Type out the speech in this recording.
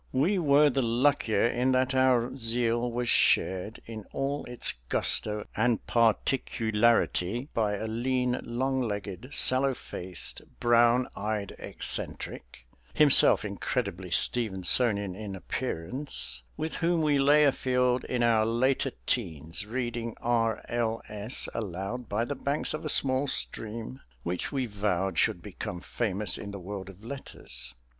We were the luckier in that our zeal was shared in all its gusto and particularity by a lean, long legged, sallow faced, brown eyed eccentric (himself incredibly Stevensonian in appearance) with whom we lay afield in our later teens, reading R. L. S. aloud by the banks of a small stream which we vowed should become famous in the world of letters.